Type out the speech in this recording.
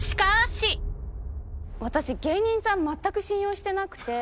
私芸人さん全く信用してなくて。